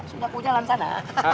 sudah aku jalan sana